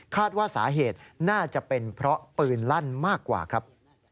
ว่าสาเหตุน่าจะเป็นเพราะปืนลั่นมากกว่าครับ